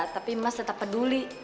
tapi mas tetap peduli